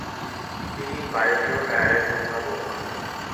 তিনি বায়বীয় টায়ারের উদ্ভাবক।